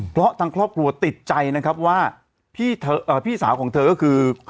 เพราะทางครอบครัวติดใจนะครับว่าพี่สาวของเธอก็คือ